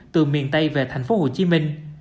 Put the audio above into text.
từ miền tây về thành phố hồ chí minh